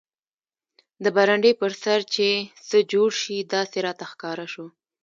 د برنډې پر سر چې څه جوړ شي داسې راته ښکاره شو.